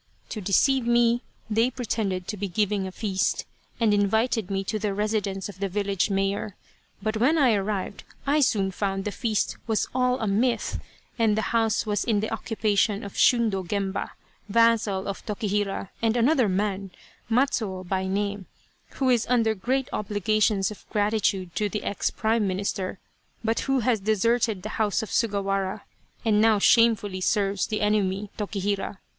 To deceive me they pretended to be giving a feast, and invited me to the residence of the village mayor, but when I arrived I soon found the feast was all a myth, and the house was in the occupation of Shundo Gemba, vassal of Tokihira, and another man, Matsuo by name, who is under great obligations of gratitude to the ex Prime Minister, but who has deserted the house of Sugawara, and now shamefully serves the enemy, Tokihira.